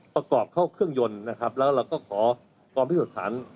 ประกอบเข้าเครื่องยนต์นะครับแล้วเราก็ขอความพิสูจน์สาร